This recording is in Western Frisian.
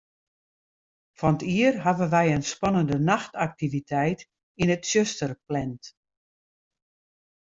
Fan 't jier hawwe wy in spannende nachtaktiviteit yn it tsjuster pland.